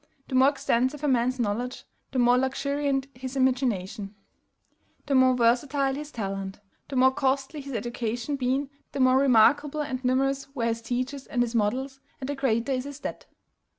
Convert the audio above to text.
The more extensive a man's knowledge, the more luxuriant his imagination, the more versatile his talent, the more costly has his education been, the more remarkable and numerous were his teachers and his models, and the greater is his debt.